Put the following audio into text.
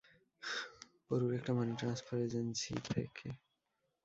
পোরুরের একটা money transfer agency থেকে।